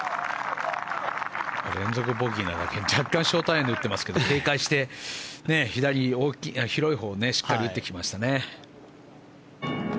連続ボギーなだけにショートアイアンで打ってますが警戒して左の広いほうにしっかり打ってきましたね。